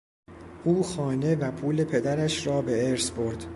او خانه و پول پدرش را به ارث برد.